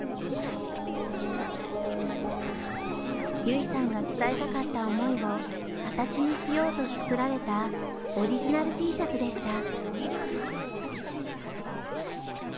優生さんが伝えたかった思いを形にしようと作られたオリジナルＴシャツでした。